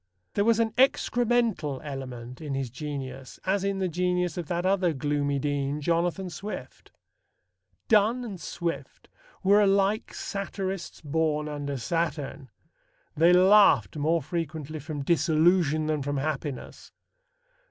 There was an excremental element in his genius as in the genius of that other gloomy dean, Jonathan Swift. Donne and Swift were alike satirists born under Saturn. They laughed more frequently from disillusion than from happiness.